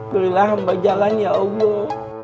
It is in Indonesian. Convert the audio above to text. perilah sampai jalan ya allah